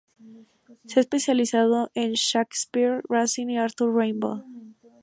Se ha especializado en Shakespeare, Racine y Arthur Rimbaud.